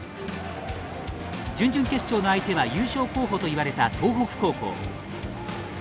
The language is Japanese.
準々決勝の相手は優勝候補といわれた東北高校。